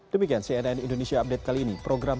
demikian cnn indonesia update kali ini program